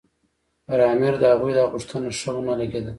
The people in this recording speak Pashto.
پر امیر د هغوی دا غوښتنه ښه ونه لګېده.